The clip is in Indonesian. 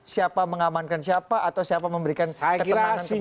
siapa mengamankan siapa atau siapa memberikan ketenangan kepada siapa